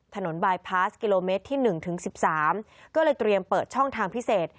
ถนนบายพาสกิโลเมตรที่หนึ่งถึงสิบสามก็เลยเตรียมเปิดช่องทางพิเศษ